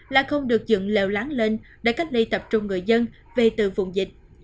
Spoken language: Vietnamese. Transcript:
là không được dựng lều lắng lên để cách ly tập trung người dân về từ vùng dịch